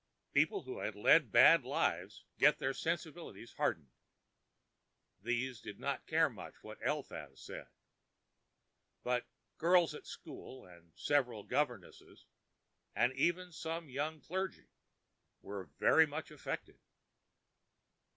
People who lead bad lives get their sensibilities hardened. These did not care very much what Eliphaz said. But girls at school, and several governesses, and even some young clergy, were very much affected.